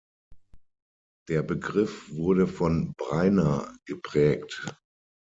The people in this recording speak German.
Der Begriff wurde von Breiner geprägt.